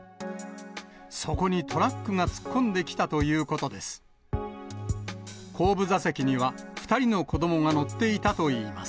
そこにトラックが突っ込んできたということです。